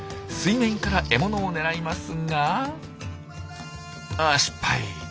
水面から獲物を狙いますがああ失敗。